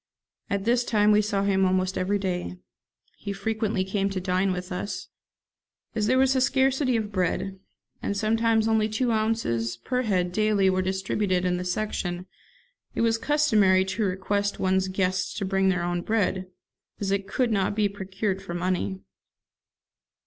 At this time we saw him almost every day. He frequently came to dine with us. As there was a scarcity of bread, and sometimes only two ounces per head daily were distributed in the section, it was customary to request one's guests to bring their own bread, as it could not be procured for money.